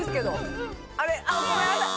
あっごめんなさい。